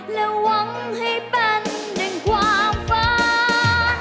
และหวังให้เป็นหนึ่งความฟ้า